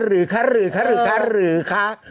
หรือคะหรือคะหรือคะ